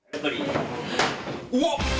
うわっ！